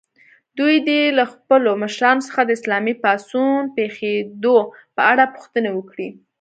دوی دې له خپلو مشرانو څخه د اسلامي پاڅون پېښېدو په اړه پوښتنې وکړي.